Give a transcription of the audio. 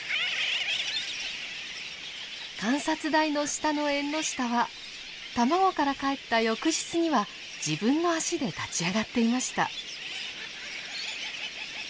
観察台の下のエンノシタは卵からかえった翌日には自分の脚で立ち上がっていました。